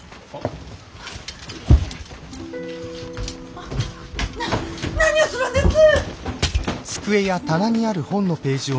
あっな何をするんです！